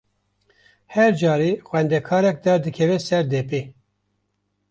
Her carê xwendekarek derdikeve ser depê.